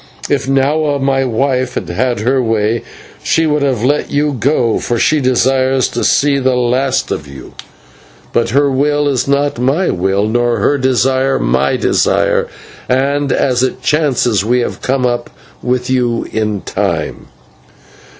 "If Nahua, my wife, had her way, she would have let you go, for she desires to see the last of you; but her will is not my will, nor her desire my desire, and as it chances we have come up with you in time."